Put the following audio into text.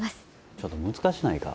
ちょっと難しないか？